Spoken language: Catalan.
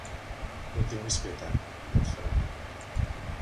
No tinguis pietat, no et farà mal.